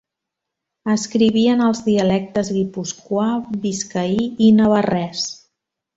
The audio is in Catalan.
Escriví en els dialectes guipuscoà, biscaí i navarrès.